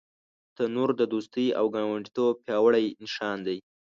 تنور د دوستۍ او ګاونډیتوب پیاوړی نښان دی